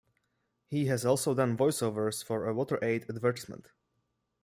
He has also done voiceovers for a WaterAid advertisement.